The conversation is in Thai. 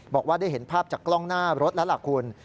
บอกว่าได้เห็นภาพจากกล้องหน้ารถแล้วล่ะคุณ